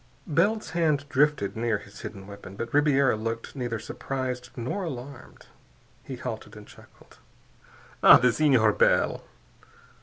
Bell's hand drifted near his hidden weapon. But Ribiera looked neither surprised nor alarmed. He halted and chuckled. "Ah, the Senhor Bell!"